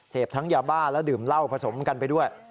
ทั้งยาบ้าและดื่มเหล้าผสมกันไปด้วย